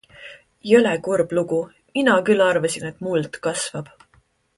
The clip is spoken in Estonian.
Jõle kurb lugu, mina küll arvasin, et muld kasvab.